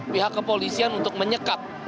pihak kepolisian untuk menyekap